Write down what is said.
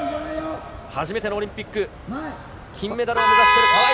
初めてのオリンピック、金メダルを目指している川井。